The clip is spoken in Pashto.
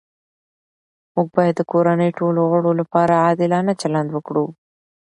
موږ باید د کورنۍ ټولو غړو لپاره عادلانه چلند وکړو